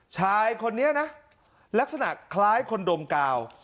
ชายคนนี้นะลักษณะคล้ายคนดมกาว